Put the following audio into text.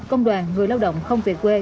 công đoàn người lao động không về quê